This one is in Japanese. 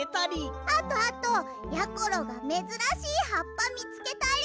あとあとやころがめずらしいはっぱみつけたり！